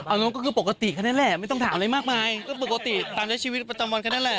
นั่นก็คือปกติแค่นั้นแหละไม่ต้องถามอะไรมากมายก็ปกติตามใช้ชีวิตประจำวันกันนั่นแหละ